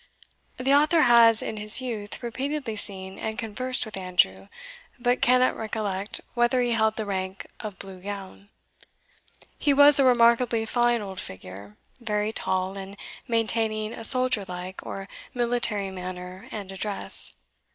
The author has in his youth repeatedly seen and conversed with Andrew, but cannot recollect whether he held the rank of Blue Gown. He was a remarkably fine old figure, very tall, and maintaining a soldierlike or military manner and address.